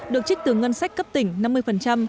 được trích từ ngân sách cấp tỉnh năm mươi